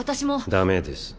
ダメです。